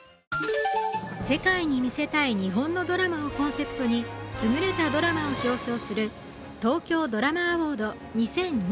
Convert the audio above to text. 世界に見せたい日本のドラマをコンセプトにすぐれたドラマを表彰する東京ドラマアウォード２０２２。